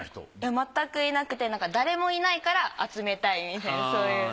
まったくいなくて誰もいないから集めたいみたいなそういう。